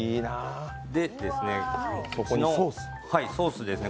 そこにソースですね。